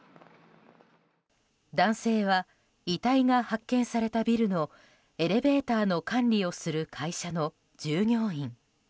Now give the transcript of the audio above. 男性は遺体が発見されたビルのエレベーターの管理をする会社の従業員。